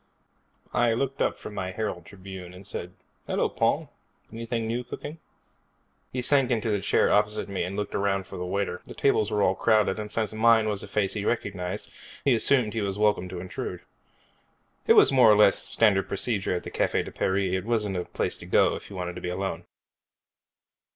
I looked up from my Herald Tribune and said, "Hello, Paul. Anything new cooking?" He sank into the chair opposite me and looked around for the waiter. The tables were all crowded and since mine was a face he recognized, he assumed he was welcome to intrude. It was more or less standard procedure at the Cafe de Paris. It wasn't a place to go if you wanted to be alone.